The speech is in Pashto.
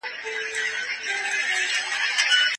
ادم ع د علم په واسطه پرشتو ته خپل ارزښت وښود.